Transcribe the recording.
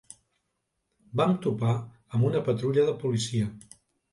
Vam topar amb una patrulla de policia.